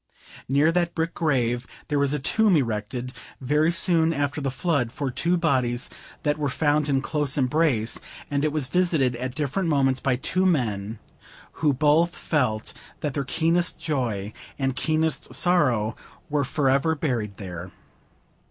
Near that brick grave there was a tomb erected, very soon after the flood, for two bodies that were found in close embrace; and it was visited at different moments by two men who both felt that their keenest joy and keenest sorrow were forever buried there.